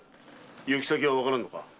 行き先はわからんのか？